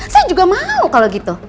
saya juga mau kalau gitu